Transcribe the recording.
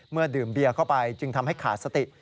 ดื่มเบียเข้าไปจึงทำให้ขาดสติ